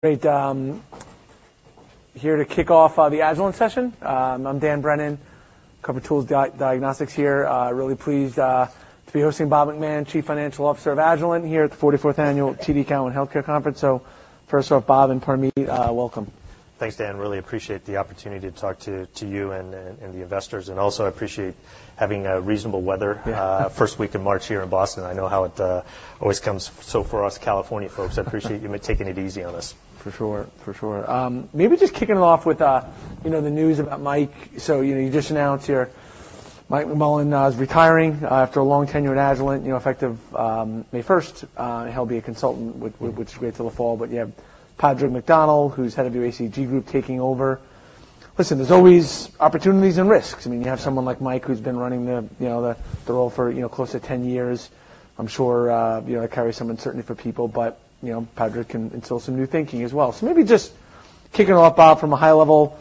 Great, here to kick off the Agilent session. I'm Dan Brennan, cover tools diagnostics here. Really pleased to be hosting Bob McMahon, Chief Financial Officer of Agilent, here at the 44th annual TD Cowen Healthcare Conference. First off, Bob and Padraig, welcome. Thanks, Dan. Really appreciate the opportunity to talk to you and the investors, and also appreciate having reasonable weather- Yeah. First week of March here in Boston. I know how it always comes. So for us, California folks, I appreciate you taking it easy on us. For sure, for sure. Maybe just kicking it off with, you know, the news about Mike. So, you know, you just announced here Mike McMullen is retiring after a long tenure at Agilent, you know, effective May first. He'll be a consultant with- Mm-hmm... which is great till the fall, but you have Padraig McDonnell, who's head of the ACG group, taking over. Listen, there's always opportunities and risks. I mean, you have someone like Mike, who's been running the, you know, the, the role for, you know, close to 10 years. I'm sure, you know, that carries some uncertainty for people, but, you know, Padraig can instill some new thinking as well. So maybe just kicking off, Bob, from a high level,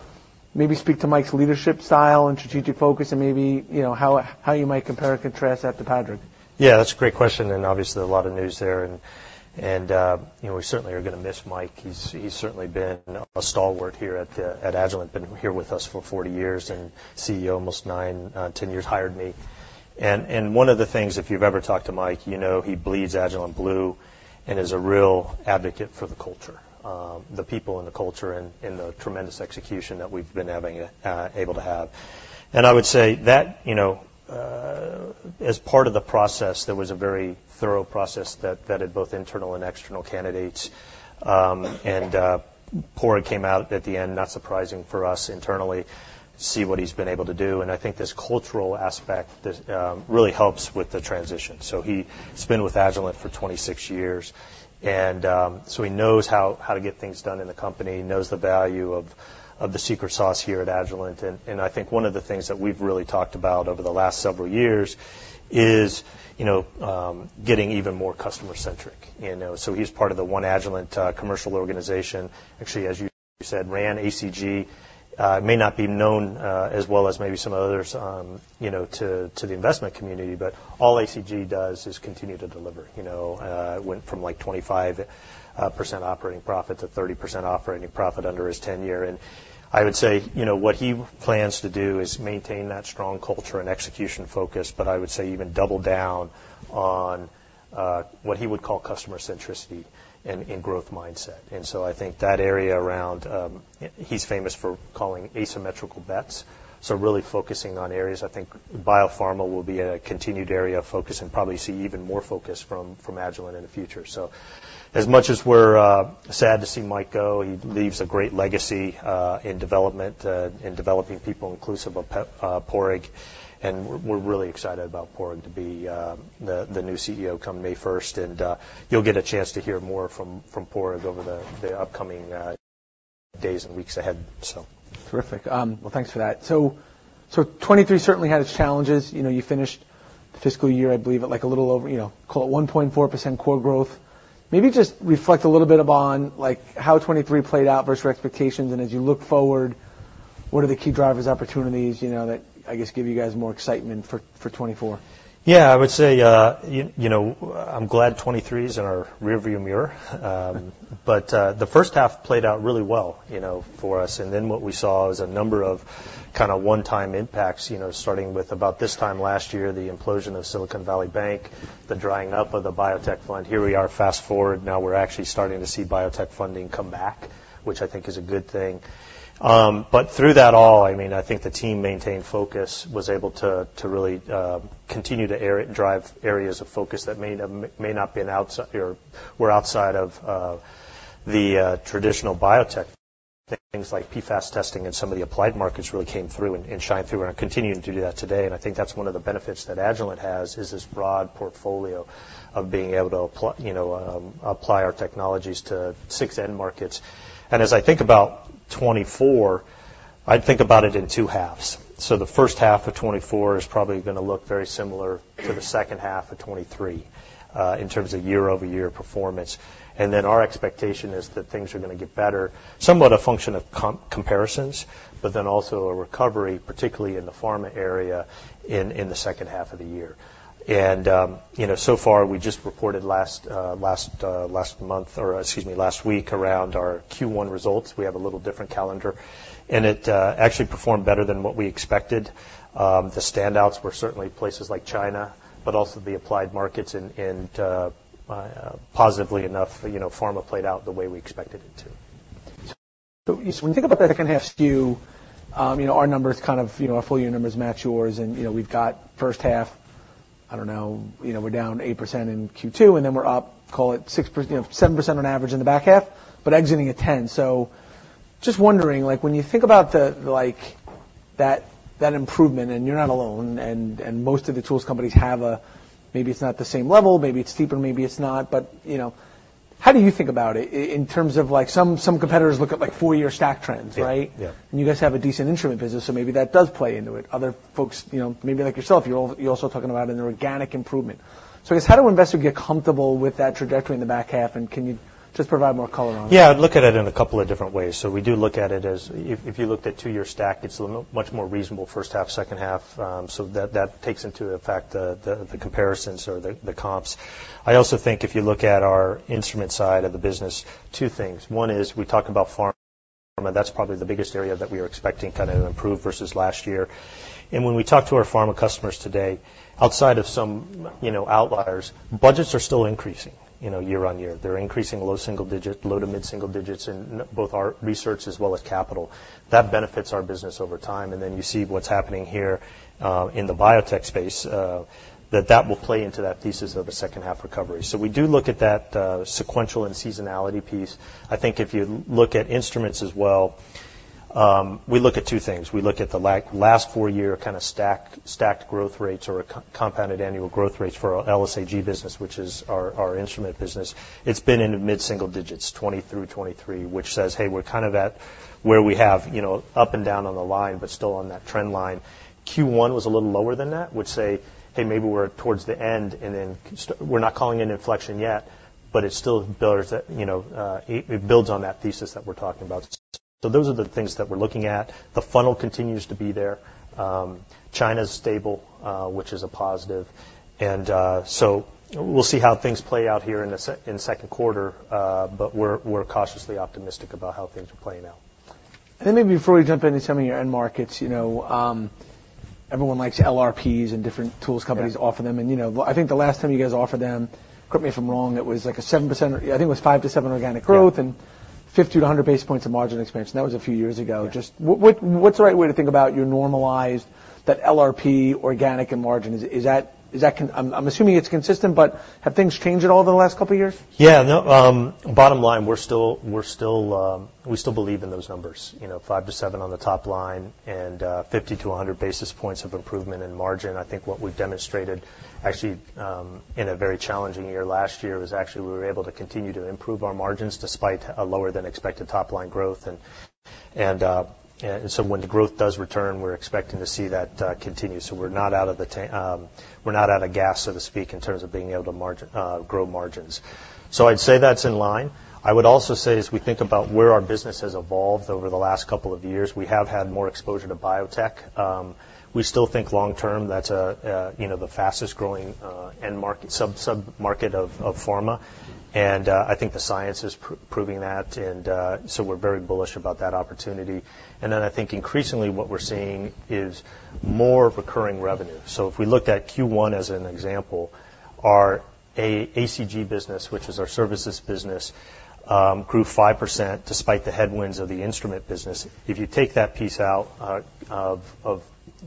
maybe speak to Mike's leadership style and strategic focus and maybe, you know, how, how you might compare or contrast that to Padraig. Yeah, that's a great question, and obviously, a lot of news there. And you know, we certainly are gonna miss Mike. He's certainly been a stalwart here at Agilent, been here with us for 40 years, and CEO, almost 9, 10 years, hired me. And one of the things, if you've ever talked to Mike, you know he bleeds Agilent blue and is a real advocate for the culture, the people and the culture and the tremendous execution that we've been having, able to have. And I would say that, you know, as part of the process, there was a very thorough process that vetted both internal and external candidates. And Padraig came out at the end, not surprising for us internally, to see what he's been able to do. And I think this cultural aspect does really helps with the transition. So he's been with Agilent for 26 years, and so he knows how to get things done in the company, knows the value of the secret sauce here at Agilent. And I think one of the things that we've really talked about over the last several years is, you know, getting even more customer-centric. You know, so he's part of the One Agilent commercial organization, actually, as you said, ran ACG. May not be known as well as maybe some others, you know, to the investment community, but all ACG does is continue to deliver. You know, it went from, like, 25%-30% operating profit under his tenure. And I would say, you know, what he plans to do is maintain that strong culture and execution focus, but I would say even double down on, what he would call customer centricity and, and growth mindset. And so I think that area around... He's famous for calling asymmetrical bets, so really focusing on areas. I think biopharma will be a continued area of focus and probably see even more focus from, from Agilent in the future. So as much as we're, sad to see Mike go, he leaves a great legacy, in development, in developing people, inclusive of, Padraig, and we're, we're really excited about Padraig to be, the, the new CEO come May first. And, you'll get a chance to hear more from, from Padraig over the, the upcoming, days and weeks ahead, so. Terrific. Well, thanks for that. So, so 2023 certainly had its challenges. You know, you finished the fiscal year, I believe, at, like, a little over, you know, call it 1.4% core growth. Maybe just reflect a little bit upon, like, how 2023 played out versus your expectations, and as you look forward, what are the key drivers, opportunities, you know, that, I guess, give you guys more excitement for, for 2024? Yeah, I would say, you know, I'm glad 2023 is in our rearview mirror. But the first half played out really well, you know, for us, and then what we saw was a number of kind of one-time impacts, you know, starting with about this time last year, the implosion of Silicon Valley Bank, the drying up of the biotech funding. Here we are, fast forward, now we're actually starting to see biotech funding come back, which I think is a good thing. But through that all, I mean, I think the team maintained focus, was able to really continue to drive areas of focus that may not be outside of or were outside of the traditional biotech. Things like PFAS testing and some of the applied markets really came through and, and shined through, and are continuing to do that today, and I think that's one of the benefits that Agilent has, is this broad portfolio of being able to apply, you know, apply our technologies to six end markets. And as I think about 2024, I'd think about it in two halves. So the first half of 2024 is probably gonna look very similar to the second half of 2023, in terms of year-over-year performance. And then, our expectation is that things are gonna get better, somewhat a function of comparisons, but then also a recovery, particularly in the pharma area, in, in the second half of the year. And, you know, so far, we just reported last, last, last month or, excuse me, last week, around our Q1 results. We have a little different calendar, and it actually performed better than what we expected. The standouts were certainly places like China, but also the applied markets and positively enough, you know, pharma played out the way we expected it to. So when you think about that second half skew, you know, our numbers kind of, you know, our full year numbers match yours, and, you know, we've got first half, I don't know, you know, we're down 8% in Q2, and then we're up, call it 6%, you know, 7% on average in the back half, but exiting at 10%. So just wondering, like, when you think about the, like, that improvement, and you're not alone, and most of the tools companies have a... Maybe it's not the same level, maybe it's steeper, maybe it's not, but, you know, how do you think about it in terms of, like, some competitors look at, like, 4-year stack trends, right? Yeah. You guys have a decent instrument business, so maybe that does play into it. Other folks, you know, maybe like yourself, you're also talking about an organic improvement. I guess, how do investors get comfortable with that trajectory in the back half, and can you just provide more color on it? Yeah, I'd look at it in a couple of different ways. So we do look at it as... If you looked at two-year stack, it's a little much more reasonable first half, second half, so that takes into effect the comparisons or the comps. I also think if you look at our instrument side of the business, two things. One is we talk about pharma... and that's probably the biggest area that we are expecting kind of improve versus last year. And when we talk to our pharma customers today, outside of some, you know, outliers, budgets are still increasing, you know, year-over-year. They're increasing low single digit, low to mid single digits in both our research as well as capital. That benefits our business over time, and then you see what's happening here in the biotech space, that will play into that thesis of a second half recovery. So we do look at that sequential and seasonality piece. I think if you look at instruments as well, we look at two things: We look at the last four-year kind of stacked growth rates or compounded annual growth rates for our LSAG business, which is our instrument business. It's been in the mid single digits, 2020 through 2023, which says, "Hey, we're kind of at where we have, you know, up and down on the line, but still on that trend line." Q1 was a little lower than that, which say, "Hey, maybe we're towards the end," and then we're not calling it inflection yet, but it still builds, you know, it builds on that thesis that we're talking about. So those are the things that we're looking at. The funnel continues to be there. China's stable, which is a positive. And, so we'll see how things play out here in the second quarter, but we're cautiously optimistic about how things are playing out. maybe before we jump into some of your end markets, you know, everyone likes LRPs and different tools companies- Yeah. -offer them. You know, I think the last time you guys offered them, correct me if I'm wrong, it was like 7%... I think it was 5%-7% organic growth- Yeah. and 50-100 basis points of margin expansion. That was a few years ago. Yeah. Just what's the right way to think about your normalized, that LRP, organic, and margin? Is that consistent? I'm assuming it's consistent, but have things changed at all in the last couple of years? Yeah, no, bottom line, we're still, we still believe in those numbers. You know, 5%-7% on the top line, and 50-100 basis points of improvement in margin. I think what we've demonstrated actually, in a very challenging year last year, was actually we were able to continue to improve our margins despite a lower than expected top-line growth. And so when the growth does return, we're expecting to see that continue. So we're not out of gas, so to speak, in terms of being able to grow margins. So I'd say that's in line. I would also say, as we think about where our business has evolved over the last couple of years, we have had more exposure to biotech. We still think long term, that's, you know, the fastest growing end market, sub-market of pharma, and I think the science is proving that. And so we're very bullish about that opportunity. And then I think increasingly what we're seeing is more recurring revenue. So if we looked at Q1 as an example, our ACG business, which is our services business, grew 5% despite the headwinds of the instrument business. If you take that piece out of,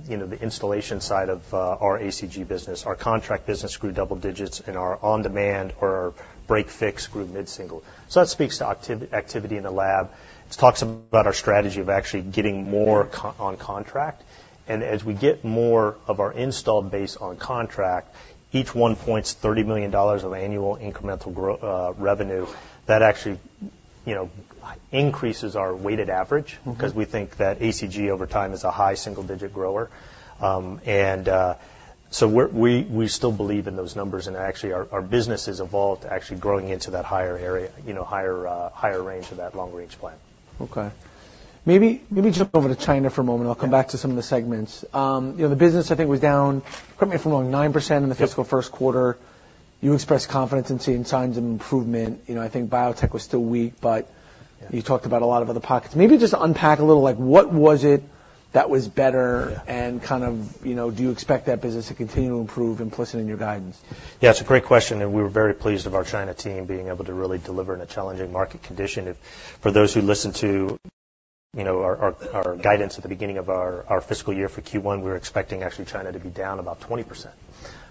you know, the installation side of our ACG business, our contract business grew double digits, and our on-demand or our break fix grew mid-single. So that speaks to activity in the lab. It talks about our strategy of actually getting more on contract, and as we get more of our installed base on contract, each one points $30 million of annual incremental grow, revenue. That actually, you know, increases our weighted average- Mm-hmm. -because we think that ACG over time is a high single-digit grower. So we're, we still believe in those numbers, and actually, our business has evolved to actually growing into that higher area, you know, higher range of that long-range plan. Okay. Maybe, maybe jump over to China for a moment. Yeah. I'll come back to some of the segments. You know, the business, I think, was down, correct me if I'm wrong, 9%. Yeah in the fiscal first quarter. You expressed confidence in seeing signs of improvement. You know, I think biotech was still weak, but- Yeah You talked about a lot of other pockets. Maybe just unpack a little, like, what was it that was better? Yeah. Kind of, you know, do you expect that business to continue to improve, implicit in your guidance? Yeah, it's a great question, and we were very pleased of our China team being able to really deliver in a challenging market condition. For those who listened to, you know, our guidance at the beginning of our fiscal year for Q1, we were expecting actually China to be down about 20%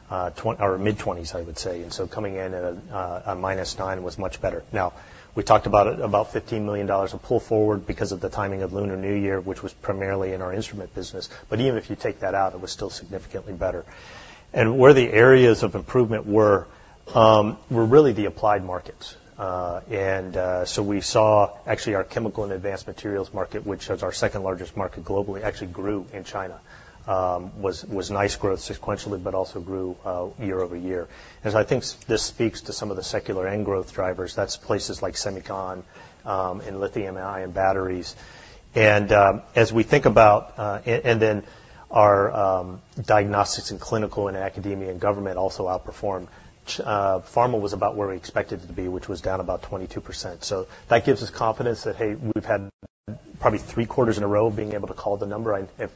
or mid-20s%, I would say. And so coming in at a -9% was much better. Now, we talked about $15 million of pull forward because of the timing of Lunar New Year, which was primarily in our instrument business, but even if you take that out, it was still significantly better. And where the areas of improvement were really the applied markets. And so we saw actually our chemical and advanced materials market, which is our second largest market globally, actually grew in China. Was nice growth sequentially, but also grew year-over-year. And so I think this speaks to some of the secular end growth drivers. That's places like semicon and lithium-ion batteries. And as we think about... And then our diagnostics and clinical and academia and government also outperformed. Pharma was about where we expected it to be, which was down about 22%. So that gives us confidence that, hey, we've had probably three quarters in a row of being able to call the number. I know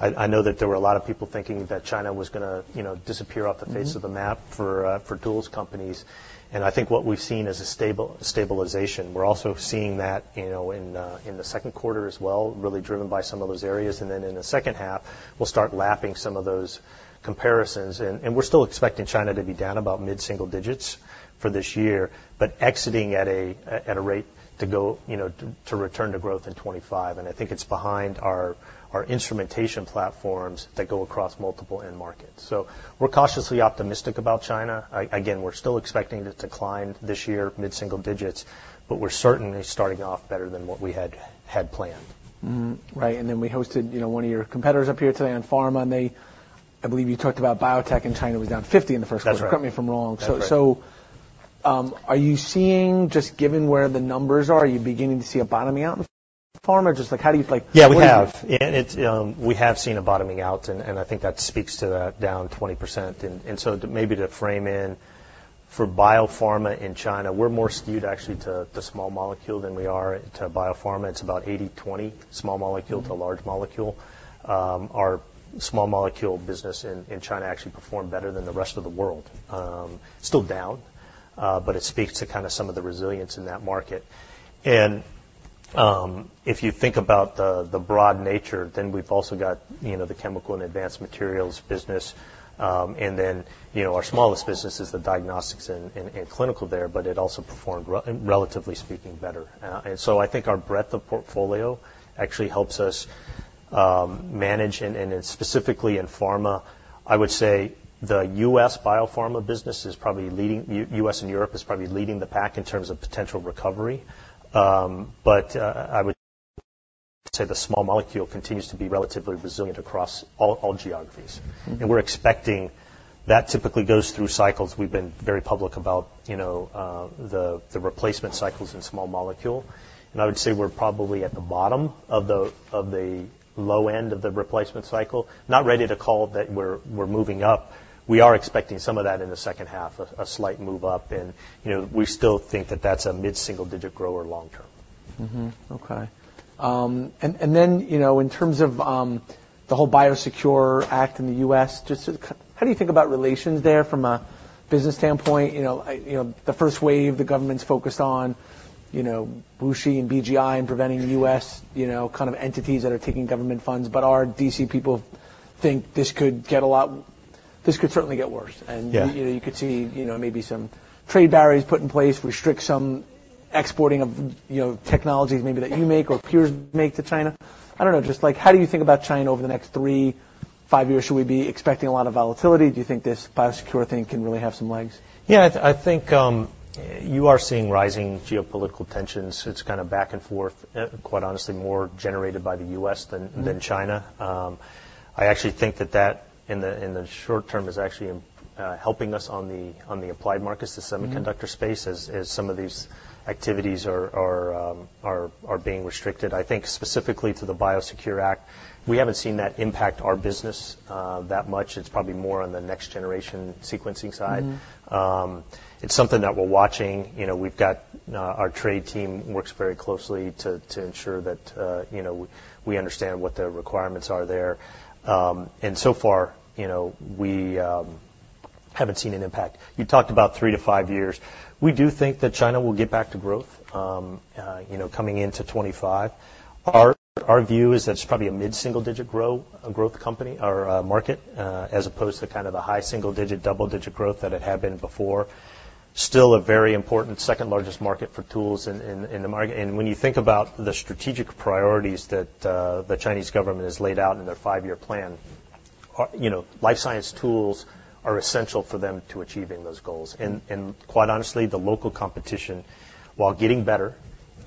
that there were a lot of people thinking that China was gonna, you know, disappear off the face of the map- Mm-hmm for tools companies, and I think what we've seen is a stable, stabilization. We're also seeing that, you know, in the second quarter as well, really driven by some of those areas. And then in the second half, we'll start lapping some of those comparisons. And we're still expecting China to be down about mid-single digits for this year, but exiting at a rate to go, you know, to return to growth in 2025, and I think it's behind our instrumentation platforms that go across multiple end markets. So we're cautiously optimistic about China. Again, we're still expecting to decline this year, mid-single digits, but we're certainly starting off better than what we had planned. Mm-hmm. Right. And then we hosted, you know, one of your competitors up here today on pharma, and they... I believe you talked about biotech in China was down 50 in the first quarter. That's right. Correct me if I'm wrong. That's right. So, are you seeing, just given where the numbers are, are you beginning to see a bottoming out in pharma? Just like, how do you, like- Yeah, we have. What do you- And it's. We have seen a bottoming out, and I think that speaks to that down 20%. And so maybe to frame for biopharma in China, we're more skewed actually to small molecule than we are to biopharma. It's about 80/20, small molecule to large molecule. Our small molecule business in China actually performed better than the rest of the world. Still down, but it speaks to kind of some of the resilience in that market. And if you think about the broad nature, then we've also got, you know, the chemical and advanced materials business, and then, you know, our smallest business is the diagnostics and clinical there, but it also performed relatively speaking, better. And so I think our breadth of portfolio actually helps us manage, and specifically in pharma, I would say the U.S. biopharma business is probably leading. U.S. and Europe is probably leading the pack in terms of potential recovery. But I would say the small molecule continues to be relatively resilient across all geographies. Mm-hmm. And we're expecting... That typically goes through cycles. We've been very public about, you know, the replacement cycles in small molecule, and I would say we're probably at the bottom of the low end of the replacement cycle. Not ready to call that we're moving up. We are expecting some of that in the second half, a slight move up and, you know, we still think that that's a mid-single digit grower long term. Mm-hmm. Okay. And then, you know, in terms of the whole BioSecure Act in the U.S., just kind of how do you think about relations there from a business standpoint? You know, I, you know, the first wave, the government's focused on, you know, WuXi and BGI and preventing U.S., you know, kind of entities that are taking government funds. But our D.C. people think this could get a lot- this could certainly get worse. Yeah. You know, you could see, you know, maybe some trade barriers put in place, restrict some exporting of, you know, technologies maybe that you make or peers make to China. I don't know, just like, how do you think about China over the next 3-5 years? Should we be expecting a lot of volatility? Do you think this BioSecure thing can really have some legs? Yeah, I think, you are seeing rising geopolitical tensions. It's kind of back and forth, quite honestly, more generated by the U.S. than- Mm-hmm... than China. I actually think that, in the short term, is actually helping us on the applied markets- Mm-hmm -the semiconductor space, as some of these activities are being restricted. I think, specifically to the BioSecure Act, we haven't seen that impact our business, that much. It's probably more on the next-generation sequencing side. Mm-hmm. It's something that we're watching. You know, we've got our trade team works very closely to ensure that, you know, we understand what the requirements are there. And so far, you know, we haven't seen an impact. You talked about three to five years. We do think that China will get back to growth, you know, coming into 2025. Our view is that it's probably a mid-single-digit growth company or market, as opposed to kind of the high single digit, double-digit growth that it had been before. Still a very important second largest market for tools in the market. And when you think about the strategic priorities that the Chinese government has laid out in their five-year plan, you know, life science tools are essential for them to achieving those goals. Quite honestly, the local competition, while getting better,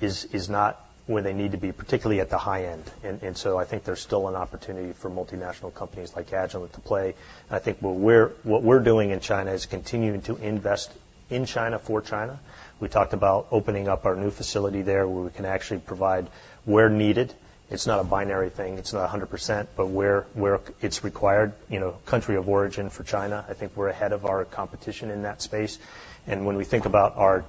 is not where they need to be, particularly at the high end. And so I think there's still an opportunity for multinational companies like Agilent to play. And I think what we're doing in China is continuing to invest in China for China. We talked about opening up our new facility there, where we can actually provide where needed. It's not a binary thing, it's not 100%, but where it's required, you know, country of origin for China, I think we're ahead of our competition in that space. And when we think about our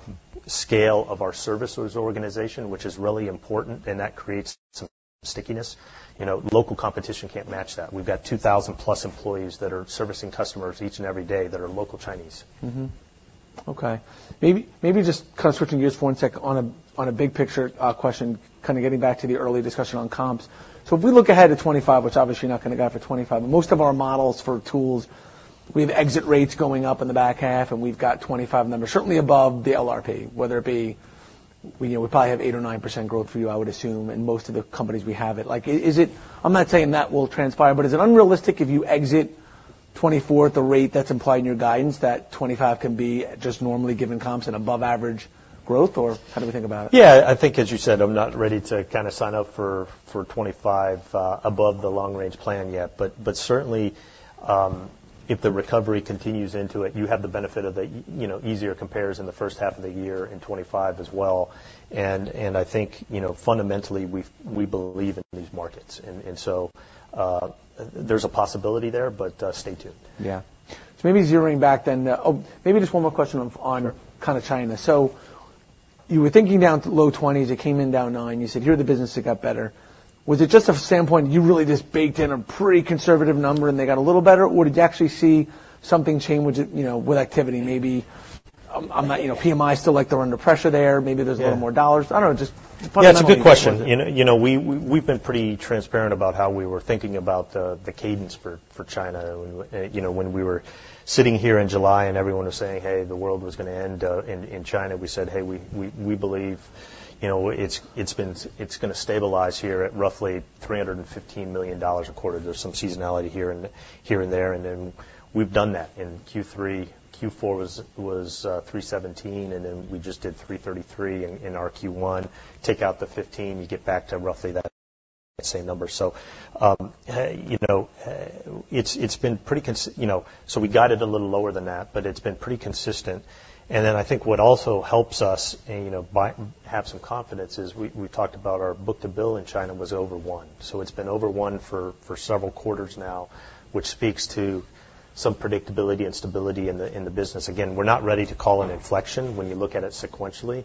scale of our services organization, which is really important, and that creates some stickiness, you know, local competition can't match that. We've got 2,000+ employees that are servicing customers each and every day that are local Chinese. Mm-hmm. Okay. Maybe just kind of switching gears for one sec on a big picture question, kind of getting back to the early discussion on comps. So if we look ahead to 2025, which obviously you're not gonna guide for 2025, but most of our models for tools, we have exit rates going up in the back half, and we've got 2025 numbers, certainly above the LRP, whether it be, you know, we probably have 8% or 9% growth for you, I would assume, in most of the companies we have it. Like, is it? I'm not saying that will transpire, but is it unrealistic if you exit 2024 at the rate that's implied in your guidance, that 2025 can be just normally given comps and above average growth, or how do we think about it? Yeah, I think, as you said, I'm not ready to kind of sign up for 2025 above the long-range plan yet. But certainly, if the recovery continues into it, you have the benefit of the, you know, easier compares in the first half of the year in 2025 as well. And I think, you know, fundamentally, we believe in these markets, and so there's a possibility there, but stay tuned. Yeah. So maybe zeroing back then. Oh, maybe just one more question on- Sure Kind of China. So you were thinking down to low 20s, it came in down 9. You said, "Here are the business that got better." Was it just a standpoint, you really just baked in a pretty conservative number, and they got a little better, or did you actually see something change, you know, with activity? Maybe I'm, I'm not... You know, PMI is still like they're under pressure there. Yeah. Maybe there's a little more dollars. I don't know, just- Yeah, it's a good question. You know, we've been pretty transparent about how we were thinking about the cadence for China. You know, when we were sitting here in July and everyone was saying, "Hey, the world was gonna end in China," we said, "Hey, we believe, you know, it's gonna stabilize here at roughly $315 million a quarter. There's some seasonality here and there," and then we've done that in Q3. Q4 was $317, and then we just did $333 in our Q1. Take out the $15, you get back to roughly that same number. So, you know, it's been pretty consistent. You know, so we got it a little lower than that, but it's been pretty consistent. And then I think what also helps us, and, you know, by having some confidence is we talked about our book-to-bill in China was over one. So it's been over one for several quarters now, which speaks to some predictability and stability in the business. Again, we're not ready to call an inflection when you look at it sequentially.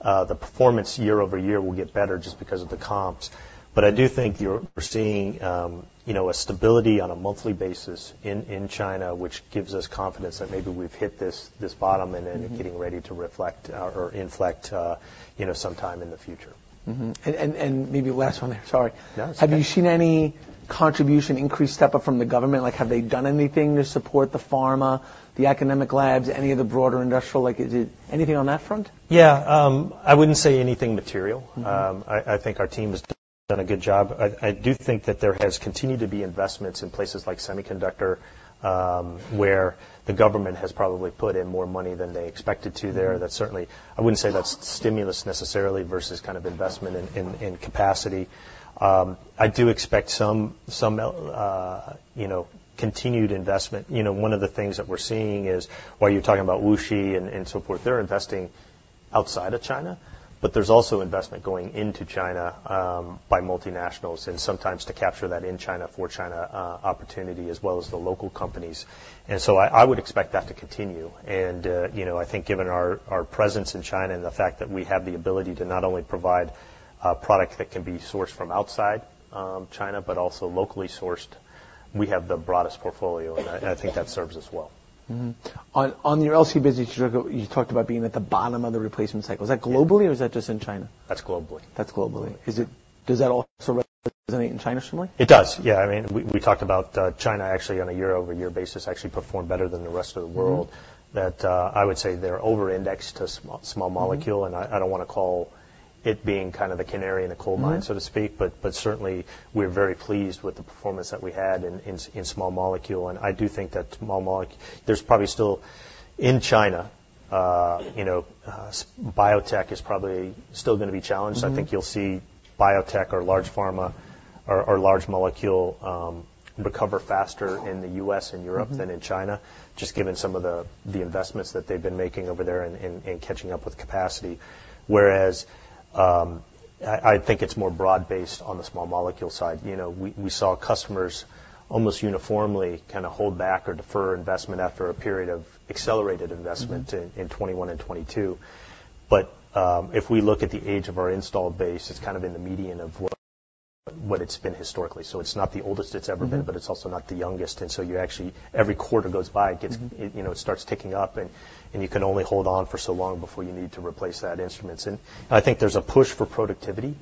The performance year-over-year will get better just because of the comps. But I do think we're seeing, you know, a stability on a monthly basis in China, which gives us confidence that maybe we've hit this bottom and then getting ready to reflect out or inflect, you know, sometime in the future. Mm-hmm. And maybe last one there, sorry. No, that's okay. Have you seen any contribution, increased step up from the government? Like, have they done anything to support the pharma, the academic labs, any of the broader industrial? Like, is it anything on that front? Yeah, I wouldn't say anything material. Mm-hmm. I think our team has done a good job. I do think that there has continued to be investments in places like semiconductor, where the government has probably put in more money than they expected to there. Mm-hmm. That's certainly. I wouldn't say that's stimulus necessarily versus kind of investment in capacity. I do expect some you know, continued investment. You know, one of the things that we're seeing is, while you're talking about WuXi and so forth, they're investing outside of China, but there's also investment going into China by multinationals, and sometimes to capture that in China for China opportunity, as well as the local companies. And so I would expect that to continue. And you know, I think given our presence in China and the fact that we have the ability to not only provide a product that can be sourced from outside China, but also locally sourced, we have the broadest portfolio, and I think that serves us well. Mm-hmm. On your LC business, you talked about being at the bottom of the replacement cycle. Yeah. Is that globally or is that just in China? That's globally. That's globally. Does that also resonate in China similarly? It does. Yeah, I mean, we talked about China, actually, on a year-over-year basis, actually performed better than the rest of the world. Mm-hmm. That, I would say they're over-indexed to small, small molecule. Mm-hmm. And I don't wanna call it being kind of the canary in the coal mine- Mm-hmm... so to speak, but certainly, we're very pleased with the performance that we had in small molecule. And I do think that small molecule, there's probably still... In China, you know, biotech is probably still gonna be challenged. Mm-hmm. I think you'll see biotech or large pharma or large molecule recover faster in the U.S. and Europe- Mm-hmm... than in China, just given some of the investments that they've been making over there and catching up with capacity. Whereas, I think it's more broad-based on the small molecule side. You know, we saw customers almost uniformly kinda hold back or defer investment after a period of accelerated investment- Mm-hmm... in 2021 and 2022. But if we look at the age of our installed base, it's kind of in the median of what it's been historically. So it's not the oldest it's ever been- Mm-hmm... but it's also not the youngest. And so you actually, every quarter goes by, it gets- Mm-hmm... you know, it starts ticking up, and you can only hold on for so long before you need to replace that instruments. And I think there's a push for productivity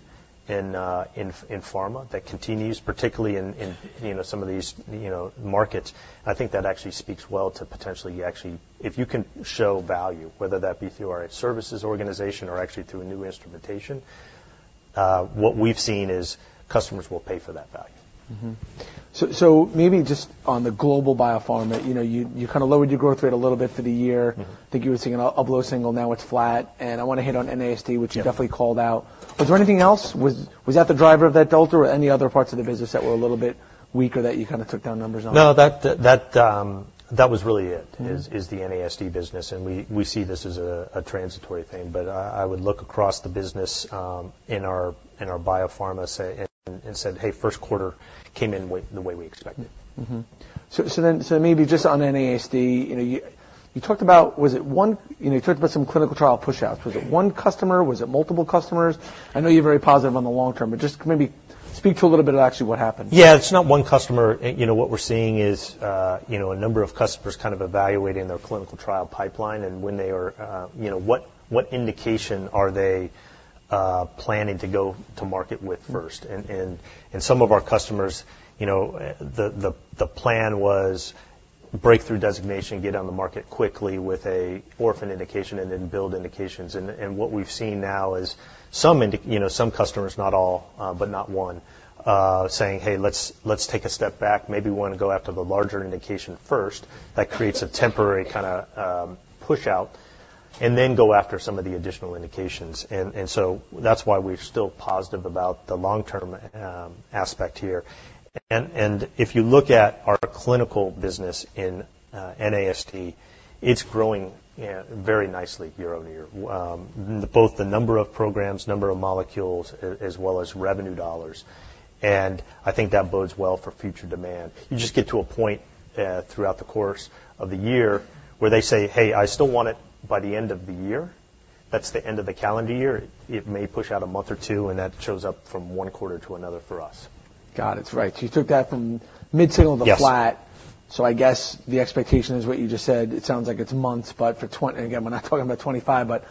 in, in pharma that continues, particularly in, you know, some of these, you know, markets. I think that actually speaks well to potentially you actually, if you can show value, whether that be through our services organization or actually through a new instrumentation, what we've seen is customers will pay for that value. Mm-hmm. So maybe just on the global biopharma, you know, you kinda lowered your growth rate a little bit for the year. Mm-hmm. I think you were seeing an up, up low single, now it's flat. And I wanna hit on NASD- Yeah... which you definitely called out. Was there anything else? Was that the driver of that delta or any other parts of the business that were a little bit weaker, that you kinda took down numbers on? No, that was really it- Mm-hmm... is the NASD business, and we see this as a transitory thing. But, I would look across the business, in our biopharma, say, and said, "Hey, first quarter came in with, the way we expected. Mm-hmm. So, maybe just on NASD, you know, you talked about, was it one... You know, you talked about some clinical trial pushouts. Mm-hmm. Was it one customer? Was it multiple customers? I know you're very positive on the long term, but just maybe speak to a little bit of actually what happened. Yeah, it's not one customer. You know, what we're seeing is, you know, a number of customers kind of evaluating their clinical trial pipeline and when they are, you know, what, what indication are they planning to go to market with first? Mm-hmm. Some of our customers, you know, the plan was breakthrough designation, get on the market quickly with an orphan indication and then build indications. And what we've seen now is some—you know, some customers, not all, but not one, saying, "Hey, let's take a step back. Maybe we wanna go after the larger indication first." That creates a temporary kinda pushout, and then go after some of the additional indications. And so that's why we're still positive about the long-term aspect here. And if you look at our clinical business in NASD, it's growing very nicely year-over-year. Both the number of programs, number of molecules, as well as revenue dollars, and I think that bodes well for future demand. You just get to a point throughout the course of the year, where they say, "Hey, I still want it by the end of the year." That's the end of the calendar year. It may push out a month or two, and that shows up from one quarter to another for us. Got it. Right. So you took that from mid-single to flat. Yes. So I guess the expectation is what you just said. It sounds like it's months, but for 2024, again, we're not talking about 2025, but,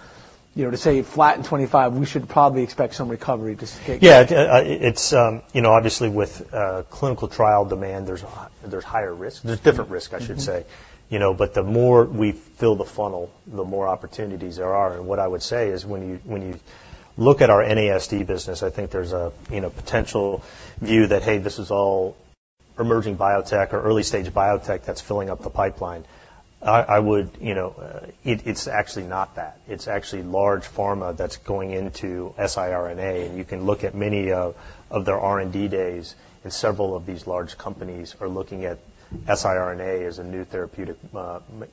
you know, to say flat in 2025, we should probably expect some recovery to take- Yeah, it's, you know, obviously, with clinical trial demand, there's higher risk. Mm-hmm. There's different risk, I should say. Mm-hmm. You know, but the more we fill the funnel, the more opportunities there are. And what I would say is, when you look at our NASD business, I think there's a, you know, potential view that, hey, this is all emerging biotech or early-stage biotech that's filling up the pipeline. I would, you know, it's actually not that. It's actually large pharma that's going into siRNA, and you can look at many of their R&D days, and several of these large companies are looking at siRNA as a new therapeutic,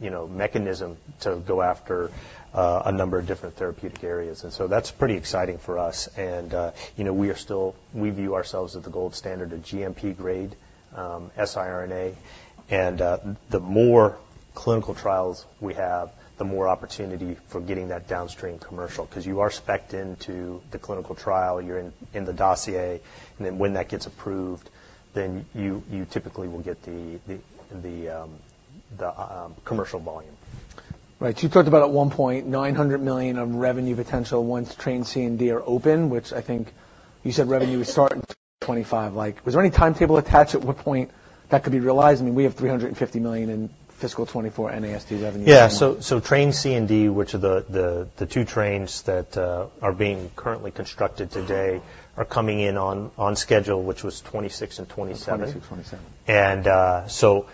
you know, mechanism to go after a number of different therapeutic areas. And so that's pretty exciting for us, and, you know, we are still we view ourselves as the gold standard of GMP-grade siRNA. And the more clinical trials we have, the more opportunity for getting that downstream commercial, 'cause you are spec-ed into the clinical trial, you're in the dossier, and then, when that gets approved, then you typically will get the commercial volume. Right. You talked about, at one point, $900 million of revenue potential once Trains C and D are open, which I think you said revenue would start in 2025. Like, was there any timetable attached at what point that could be realized? I mean, we have $350 million in fiscal 2024 NASD revenue. Yeah. So, Trains C and D, which are the two trains that are being currently constructed today, are coming in on schedule, which was 2026 and 2027. Twenty-six, twenty-seven. And so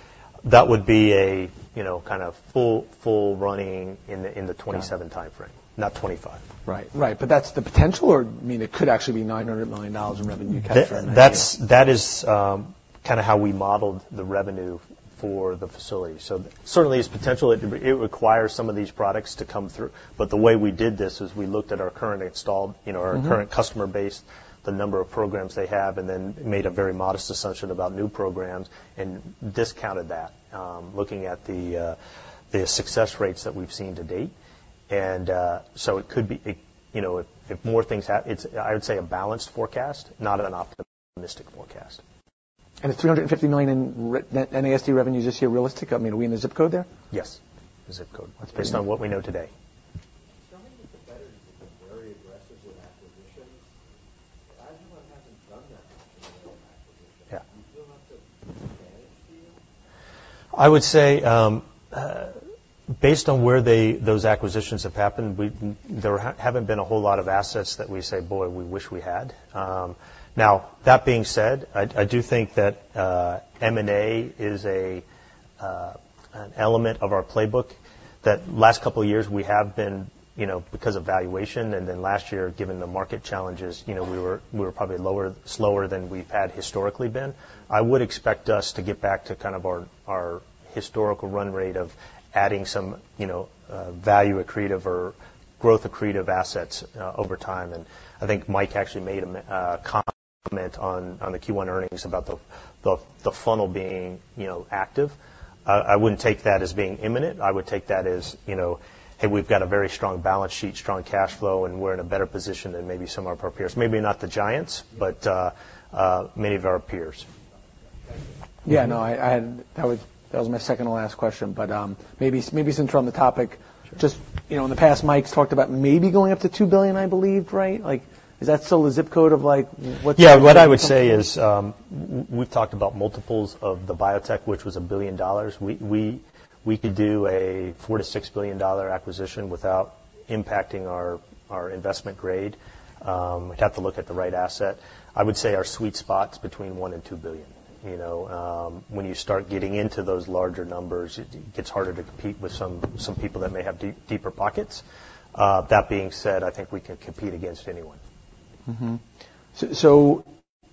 that would be a, you know, kind of full running in the 27- Yeah -timeframe, not 25. Right. Right. But that's the potential or, I mean, it could actually be $900 million in revenue capture? That, that is kind of how we modeled the revenue for the facility. So certainly, it's potential. It, it requires some of these products to come through. But the way we did this is we looked at our current installed, you know- Mm-hmm... our current customer base, the number of programs they have, and then made a very modest assumption about new programs and discounted that, looking at the success rates that we've seen to date. And it's, I would say, a balanced forecast, not an optimistic forecast. $350 million in NASD revenue this year realistic? I mean, are we in the zip code there? Yes. The zip code. Based on what we know today. Some of the competitors have been very aggressive in acquisitions, but Illumina hasn't done that in acquisition. Yeah. Do you feel like that's strange to you? I would say, based on where they, those acquisitions have happened, we haven't been a whole lot of assets that we say, "Boy, we wish we had." Now, that being said, I do think that M&A is a, an element of our playbook, that last couple of years we have been, you know, because of valuation, and then last year, given the market challenges, you know, we were, we were probably slower than we've had historically been. I would expect us to get back to kind of our historical run rate of adding some, you know, value accretive or growth accretive assets, over time. And I think Mike actually made a comment on the Q1 earnings about the funnel being, you know, active. I wouldn't take that as being imminent. I would take that as, you know, hey, we've got a very strong balance sheet, strong cash flow, and we're in a better position than maybe some of our peers. Maybe not the giants, but many of our peers. Thank you. Yeah, no, I had... That was, that was my second to last question, but, maybe, maybe since we're on the topic- Sure... just, you know, in the past, Mike's talked about maybe going up to $2 billion, I believe, right? Like, is that still the zip code of, like, what- Yeah. What I would say is, we've talked about multiples of the biotech, which was $1 billion. We could do a $4 billion-$6 billion acquisition without impacting our investment grade. We'd have to look at the right asset. I would say our sweet spot's between $1 billion and $2 billion. You know, when you start getting into those larger numbers, it gets harder to compete with some people that may have deeper pockets. That being said, I think we can compete against anyone. Mm-hmm. So, so,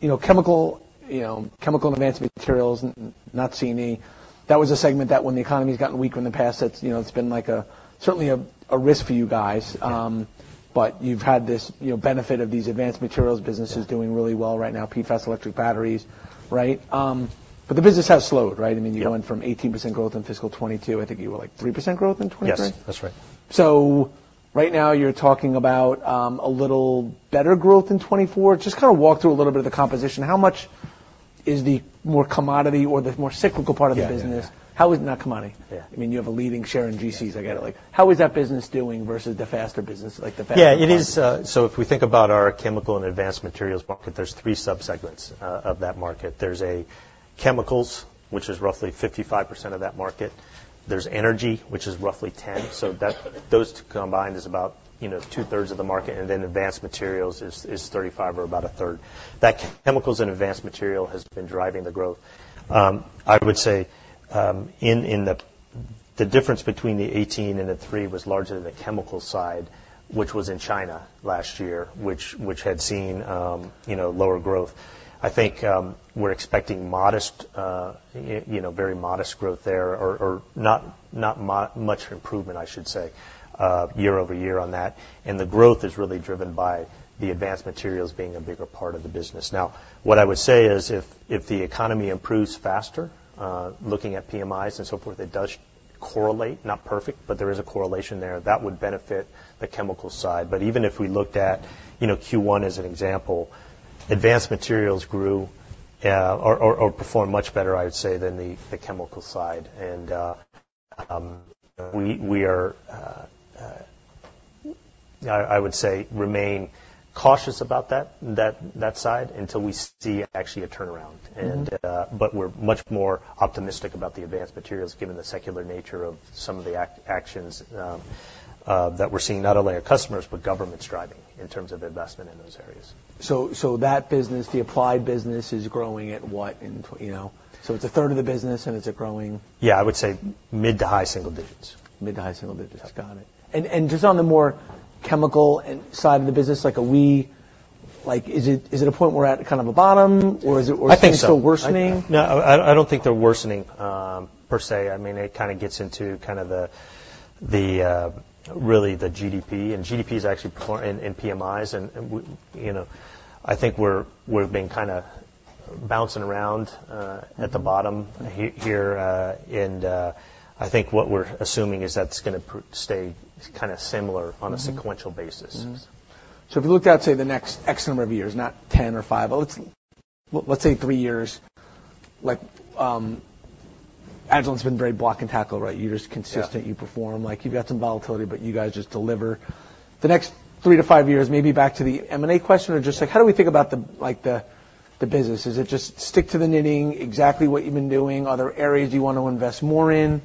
you know, chemical, you know, chemical and advanced materials, not C&E, that was a segment that when the economy has gotten weaker in the past, it's, you know, it's been like a, certainly a, a risk for you guys. Yeah. but you've had this, you know, benefit of these advanced materials businesses- Yeah doing really well right now, PFAS, electric batteries, right? But the business has slowed, right? Yeah. I mean, you're going from 18% growth in fiscal 2022, I think you were, like, 3% growth in 2023? Yes, that's right. So right now, you're talking about a little better growth in 2024. Just kind of walk through a little bit of the composition. How much is the more commodity or the more cyclical part of the business? Yeah, yeah. How is not commodity. Yeah. I mean, you have a leading share in GCs. I get it. Like, how is that business doing versus the faster business, like the faster- Yeah, it is. So if we think about our chemical and advanced materials market, there's 3 subsegments of that market. There's chemicals, which is roughly 55% of that market. There's energy, which is roughly 10%. So that, those two combined is about, you know, two-thirds of the market, and then advanced materials is 35% or about a third. That chemicals and advanced material has been driving the growth. I would say in the... The difference between the 18 and the 3 was largely in the chemical side, which was in China last year, which had seen, you know, lower growth. I think we're expecting modest, you know, very modest growth there, or not much improvement, I should say, year-over-year on that. The growth is really driven by the advanced materials being a bigger part of the business. Now, what I would say is, if the economy improves faster, looking at PMIs and so forth, it does correlate, not perfect, but there is a correlation there. That would benefit the chemical side. But even if we looked at, you know, Q1 as an example, advanced materials performed much better, I would say, than the chemical side. And I would say remain cautious about that side until we see actually a turnaround. Mm-hmm. But we're much more optimistic about the advanced materials, given the secular nature of some of the actions that we're seeing, not only our customers, but governments driving in terms of investment in those areas. So that business, the applied business, is growing at what in you know? So it's a third of the business, and it's a growing- Yeah, I would say mid to high single digits. Mid to high single digits. Yeah. Got it. And, and just on the more chemical end side of the business, like, are we—like, is it, is it a point we're at kind of a bottom, or is it? I think so. Or things still worsening? No, I don't think they're worsening, per se. I mean, it kind of gets into kind of the really the GDP, and GDPs actually perfor... And PMIs, and you know, I think we're, we've been kinda bouncing around at the bottom- Mm. Here, and I think what we're assuming is that's gonna stay kinda similar on a sequential basis. Mm-hmm. Mm-hmm. So if you looked at, say, the next X number of years, not 10 or 5, but let's say 3 years, like, Agilent has been very block and tackle, right? You're just consistent. Yeah. You perform. Like, you've got some volatility, but you guys just deliver. The next 3-5 years, maybe back to the M&A question, or just, like, how do we think about the, like, the, the business? Is it just stick to the knitting, exactly what you've been doing? Are there areas you want to invest more in?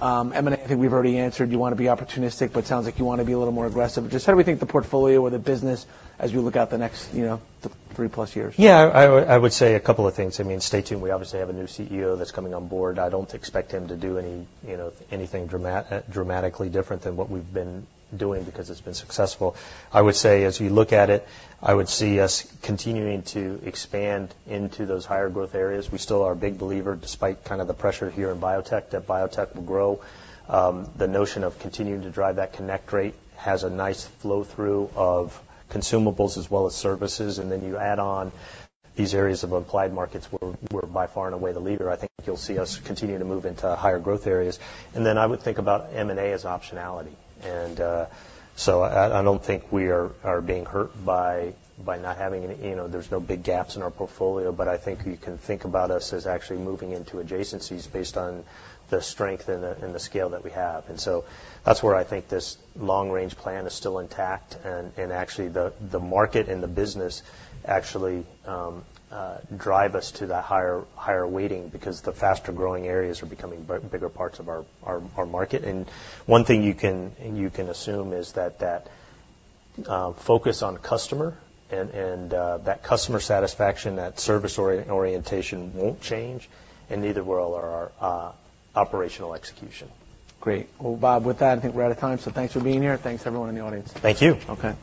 Yeah. M&A, I think we've already answered. You wanna be opportunistic, but sounds like you wanna be a little more aggressive. Just how do we think the portfolio or the business as we look out the next, you know, the three-plus years? Yeah, I would, I would say a couple of things. I mean, stay tuned. We obviously have a new CEO that's coming on board. I don't expect him to do any, you know, anything dramatically different than what we've been doing because it's been successful. I would say, as we look at it, I would see us continuing to expand into those higher growth areas. We still are a big believer, despite kind of the pressure here in biotech, that biotech will grow. The notion of continuing to drive that connect rate has a nice flow-through of consumables as well as services, and then you add on these areas of applied markets where we're by far and away the leader. I think you'll see us continue to move into higher growth areas. Then, I would think about M&A as optionality, and so I don't think we are being hurt by not having any. You know, there's no big gaps in our portfolio, but I think you can think about us as actually moving into adjacencies based on the strength and the scale that we have. And so that's where I think this long-range plan is still intact, and actually, the market and the business actually drive us to that higher weighting because the faster-growing areas are becoming bigger parts of our market. And one thing you can assume is that focus on customer and that customer satisfaction, that service orientation won't change, and neither will our operational execution. Great. Well, Bob, with that, I think we're out of time, so thanks for being here. Thanks, everyone in the audience. Thank you. Okay.